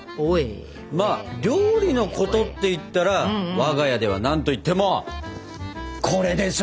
まあ料理のことっていったら我が家では何といってもこれでしょこれ！